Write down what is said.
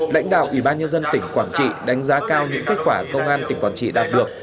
lãnh đạo ủy ban nhân dân tỉnh quảng trị đánh giá cao những kết quả công an tỉnh quảng trị đạt được